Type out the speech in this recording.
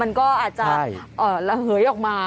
มันก็อาจจะระเหยออกมา